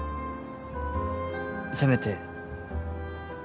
せめて